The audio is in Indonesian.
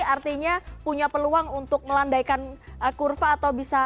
artinya punya peluang untuk melandaikan kurva